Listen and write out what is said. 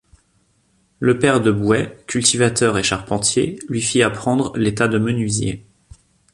Le père de Bouet, cultivateur et charpentier, lui fit apprendre l’état de menuisier.